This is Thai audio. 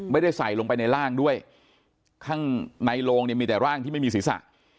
ไม่ได้ใส่ลงไปในร่างด้วยข้างในโรงเนี่ยมีแต่ร่างที่ไม่มีศีรษะ